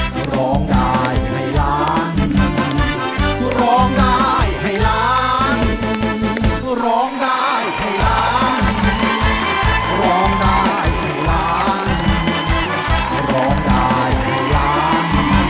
พร้อมได้อีกหลาน